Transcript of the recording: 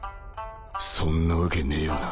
そんなわけねえよな